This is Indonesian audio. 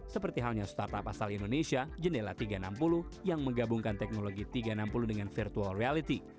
seperti halnya startup asal indonesia jendela tiga ratus enam puluh yang menggabungkan teknologi tiga ratus enam puluh dengan virtual reality